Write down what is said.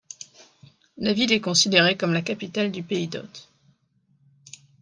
La ville est considérée comme la capitale du Pays d'Othe.